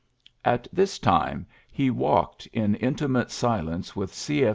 At this time he walked in intimate silence with C.